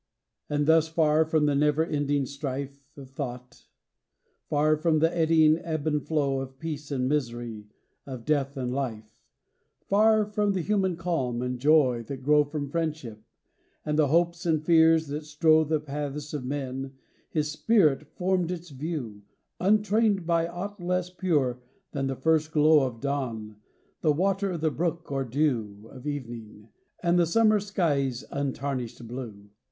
And thus tar from the never ending strite Of tho't; far from the eddying ebb and flow Of peace and misery, of death and Hfe; Far from the human calm and joy that grow From friendship; and the hopes and fears that strow The pachs of men, his spirit formed its view; Untrained by ought less pure than the first glow Of dawn, the water of the brook, or dew Of evening, and the summer sky's untarnished blue.